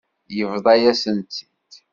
Yebḍa-yasen-tt-id.